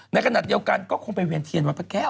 ในขณะเดียวกันก็คงไปเวียนเทียนวัดพระแก้ว